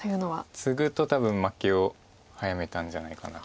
ツグと多分負けを早めたんじゃないかなと。